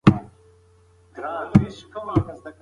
هر چا په ډېرې تېزۍ سره د کوهي په خوله کې خاورې اړولې.